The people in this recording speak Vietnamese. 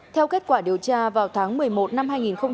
theo kết quả điều tra vào tháng một mươi một năm hai nghìn hai mươi một